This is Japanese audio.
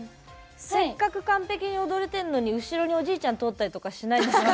せっかく完璧に踊れてるのに後ろにおじいちゃん通ったりしないんですか？